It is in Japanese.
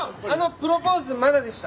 プロポーズまだでした。